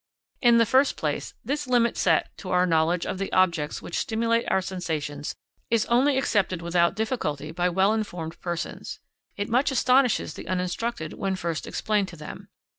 In the first place, this limit set to our knowledge of the objects which stimulate our sensations is only accepted without difficulty by well informed persons; it much astonishes the uninstructed when first explained to them.